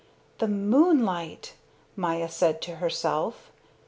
"The moonlight!" Maya said to herself.